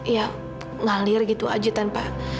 ya ngalir gitu aji tanpa